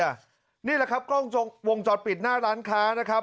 ตอนนี้ละครับวงจอดปิดหน้าร้านค้านะครับ